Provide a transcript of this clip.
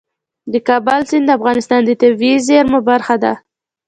د کابل سیند د افغانستان د طبیعي زیرمو برخه ده.